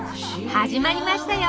始まりましたよ！